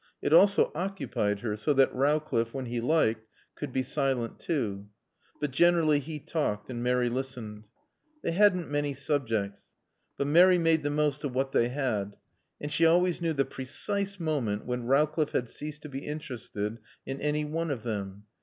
It also occupied her, so that Rowcliffe, when he liked, could be silent too. But generally he talked and Mary listened. They hadn't many subjects. But Mary made the most of what they had. And she always knew the precise moment when Rowcliffe had ceased to be interested in any one of them.